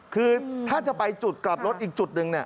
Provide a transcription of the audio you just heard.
คือถ้าจะไปจุดกลับรถอีกจุดหนึ่ง